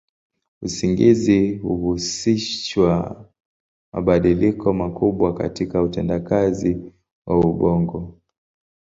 Usingizi huhusisha mabadiliko makubwa katika utendakazi wa ubongo.